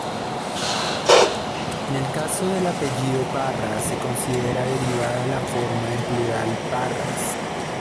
En el caso del apellido Parra se considera derivada la forma en plural Parras.